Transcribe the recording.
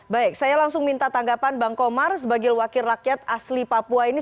baik saya langsung minta tanggapan bang komar sebagai wakil rakyat asli papua ini